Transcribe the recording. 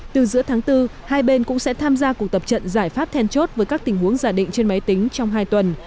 từ giữa tháng bốn hai bên cũng sẽ tham gia cuộc tập trận giải pháp then chốt với các tình huống giả định trên máy tính trong hai tuần